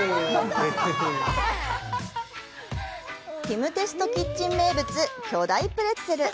ピム・テスト・キッチン名物、巨大プレッツェル！